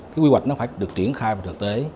cái quy hoạch nó phải được triển khai vào thực tế